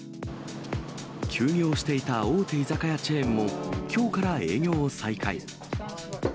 休業していた大手居酒屋チェーンも、きょうから営業を再開。